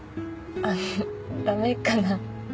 あダメかな？